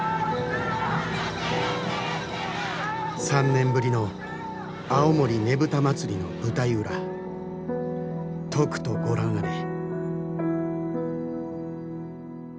３年ぶりの青森ねぶた祭の舞台裏とくとご覧あれ。